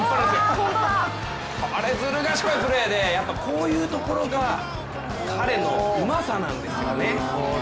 これずる賢いプレーで、こういうところが彼のうまさなんですよね。